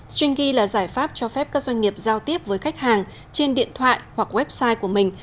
stringy là giải pháp cho phép các doanh nghiệp giao tiếp với khách hàng trên điện thoại hoặc website của mình